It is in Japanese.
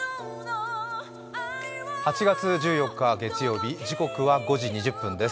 ８月１４日月曜日、時刻は５時２０分です。